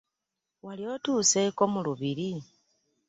Wali otuseeko mu lubiri?